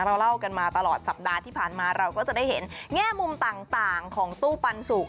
เราเล่ากันมาตลอดสัปดาห์ที่ผ่านมาเราก็จะได้เห็นแง่มุมต่างของตู้ปันสุก